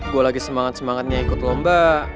gue lagi semangat semangatnya ikut lomba